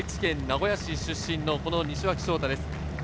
名古屋市出身の西脇翔太です。